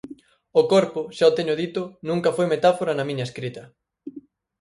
O corpo, xa o teño dito, nunca foi metáfora na miña escrita.